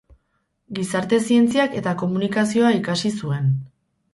Gizarte Zientziak eta Komunikazioa ikasi zuen.